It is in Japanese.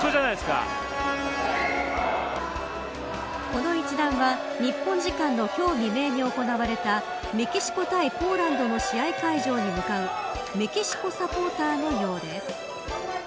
この一団は日本時間の今日未明に行われたメキシコ対ポーランドの試合会場に向かうメキシコサポーターのようです。